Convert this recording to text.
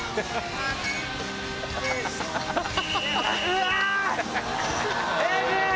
うわ！